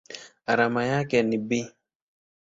Alama yake ni Be.